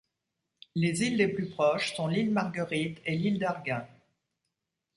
Les îles les plus proches sont l'île Marguerite et l'île d'Arguin.